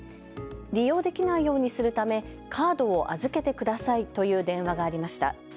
利用できないようにするためカードを預けてくださいという電話がありました。